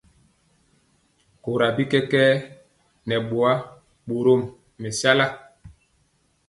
Kora bi kɛkɛɛ nɛ boa, borom mɛsala.